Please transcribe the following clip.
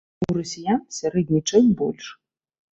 У расіян сярэдні чэк больш.